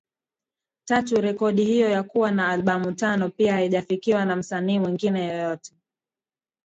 tatu Rekodi hiyo ya kuwa na albamu tano pia haijafikiwa na msanii mwingine yoyote